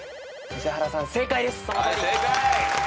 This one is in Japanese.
宇治原さん正解です。